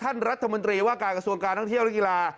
ท่านรัฐมนตรีว่าการกระทรวงการท่องเที่ยวและกีฬา